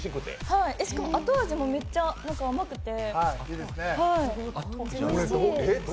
しかも後味もめっちゃ甘くて。